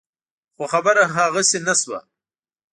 خو خبره هغسې نه شوه.